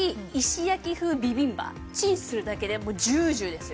チンするだけでもうジュージューですよ。